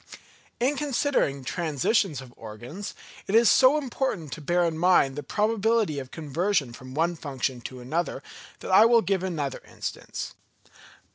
In considering transitions of organs, it is so important to bear in mind the probability of conversion from one function to another, that I will give another instance.